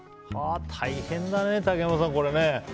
大変だね、竹山さん、これね。